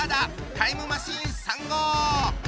タイムマシーン３号！